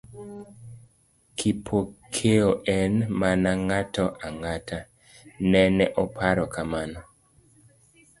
Kipokeo en mana ng'ato ang'ata…nene oparo kamano.